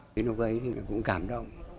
chiến đấu ấy thì cũng cảm động